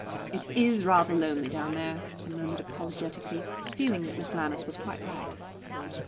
"It is rather lonely down there," I murmured apologetically, feeling that Miss Lammas was quite right.